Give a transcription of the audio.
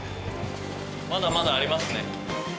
まだまだありますね。